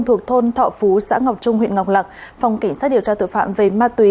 thuộc thôn thọ phú xã ngọc trung huyện ngọc lạc phòng cảnh sát điều tra tội phạm về ma túy